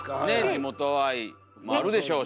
地元愛もあるでしょうし。